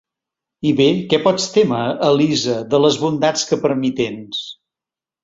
I bé, què pots témer, Elisa, de les bondats que per mi tens?